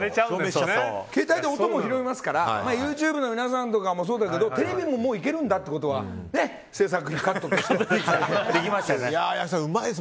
携帯で音も拾えますからＹｏｕＴｕｂｅの皆さんとかもそうだけどテレビも、もういけるんだってことは製作費カットで。